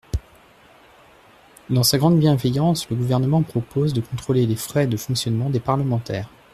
Dans sa grande bienveillance, le Gouvernement propose de contrôler les frais de fonctionnement des parlementaires.